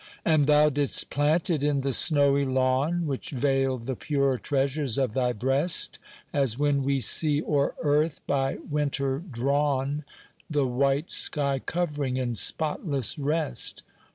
And thou didst plant it in the snowy lawn Which veiled the purer treasures of thy breast, As when we see o'er earth, by winter drawn The white sky covering in spotless rest.